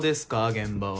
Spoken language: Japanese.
現場は。